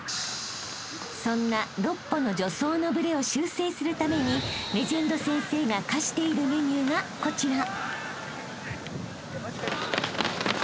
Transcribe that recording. ［そんな６歩の助走のブレを修正するためにレジェンド先生が課しているメニューがこちら］